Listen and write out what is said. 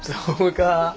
そうか。